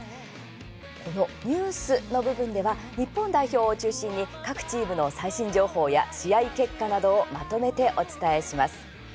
このニュースの部分では日本代表を中心に各チームの最新情報や試合結果などをまとめてお伝えします。